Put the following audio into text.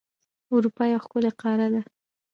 اروپا یو ښکلی قاره ده.